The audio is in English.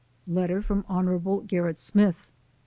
letter from Hon. Gerrit /Smith.